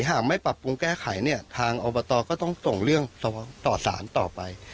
หากไม่ปรับปรุงแก้ไขเนี่ยทางอบตก็ต้องส่งเรื่องต่อสารต่อไป